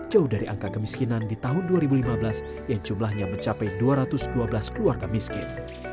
jauh dari angka kemiskinan di tahun dua ribu lima belas yang jumlahnya mencapai dua ratus dua belas keluarga miskin